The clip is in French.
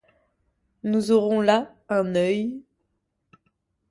Nous aurons là un œil...